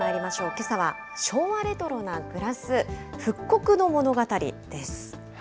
けさは昭和レトロなグラス復刻の物語です。